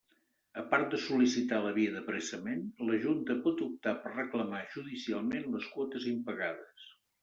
A part de sol·licitar la via d'apressament, la Junta pot optar per reclamar judicialment les quotes impagades.